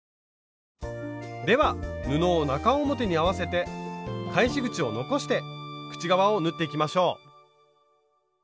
では布を中表に合わせて返し口を残して口側を縫っていきましょう。